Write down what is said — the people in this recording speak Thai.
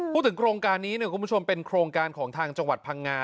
โครงการนี้คุณผู้ชมเป็นโครงการของทางจังหวัดพังงา